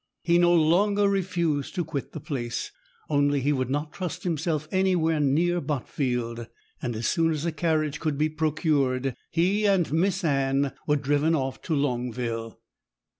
He no longer refused to quit the place, only he would not trust himself anywhere near Botfield; and as soon as a carriage could be procured, he and Miss Anne were driven off to Longville.